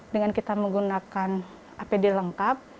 dengan kita menggunakan apd lengkap